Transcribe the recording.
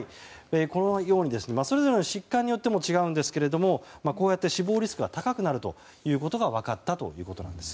このようにそれぞれの疾患によっても違いますがこうやって死亡リスクが高くなることが分かったということです。